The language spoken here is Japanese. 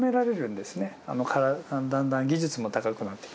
だんだん技術も高くなって。